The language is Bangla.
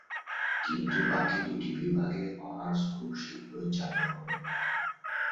কিন্তু বাকি দুটি বিভাগে অনার্স খুব শীঘ্রই চালু হবে।